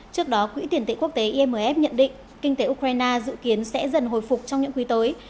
trước đó quỹ tiền tệ quốc tế imf nhận định kinh tế ukraine dự kiến sẽ dần hồi phục trong những quý tới